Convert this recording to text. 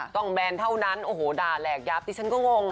แบนเท่านั้นโอ้โหด่าแหลกยับดิฉันก็งง